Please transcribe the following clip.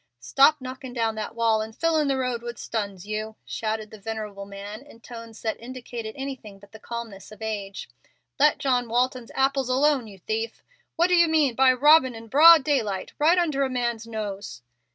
"Stop knockin' down that wall and fillin! the road with stuns, you ," shouted the venerable man, in tones that indicated anything but the calmness of age. "Let John Walton's apples alone, you thief. What do you mean by robbin' in broad daylight, right under a man's nose?"